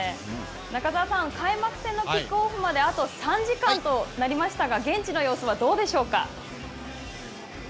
中澤さん、開幕戦のキックオフまであと３時間となりましたが、現地の様子はどうでしょう。